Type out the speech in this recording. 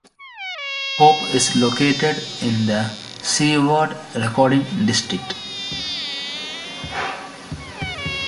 Hope is located in the Seward Recording District.